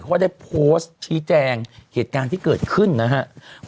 ก็ได้โพสต์ชี้แจงเหตุการณ์ที่เกิดขึ้นนะครับ